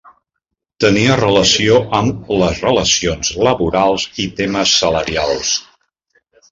Tenia relació amb les relacions laborals i temes salarials.